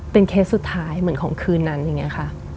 เคสสุดท้ายเหมือนของคืนนั้นอย่างนี้ค่ะ